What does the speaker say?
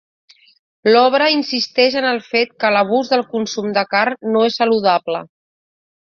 L'obra insisteix en el fet que l'abús del consum de carn no és saludable.